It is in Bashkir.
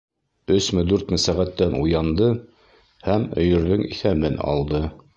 Өсмө, дүртме сәғәттән уянды һәм өйөрҙөң иҫәбен алды.